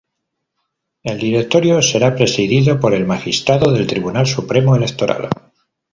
El directorio será presidido por el Magistrado del Tribunal Supremo Electoral.